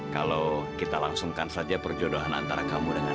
kalau kita langsungkan saja perjodohan antara kamu dengan